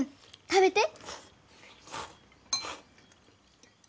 食べて！